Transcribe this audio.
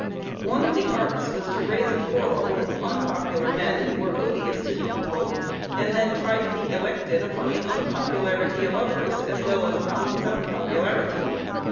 One of the arts was to raise a quarrel with unpopular men who were odious to the people, and then try to be elected upon the unpopularity of others, as well as upon his own popularity.